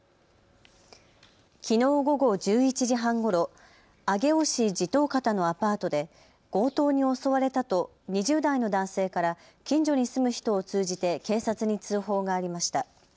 きのう午後１１時半ごろ、上尾市地頭方のアパートで強盗に襲われたと２０代の男性から近所に住む人を通じて警察に通報がありました。